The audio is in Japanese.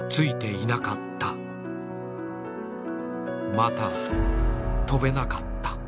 また飛べなかった。